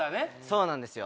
そうなんですよ